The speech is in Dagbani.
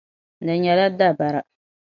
Di nyɛla dabara.